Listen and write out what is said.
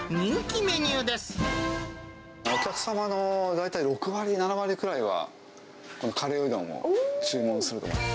お客様の大体６割、７割ぐらいは、このカレーうどんを注文すると思います。